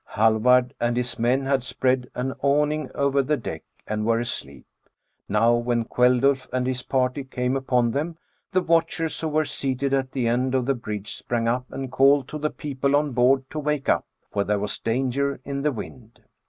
Hallvard and his men had spread an awning over the deck, and were asleep. Now when Kveldulf and his party came upon them, the watchers who were seated al the end of the bridge sprang up and called to the people on board to wake up, for there was danger in the wind.